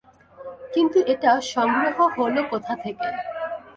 কিন্তু এটা সংগ্রহ হল কোথা থেকে।